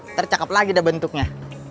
ntar cakep lagi deh bentuknya